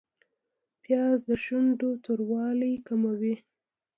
پیاز د شونډو توروالی کموي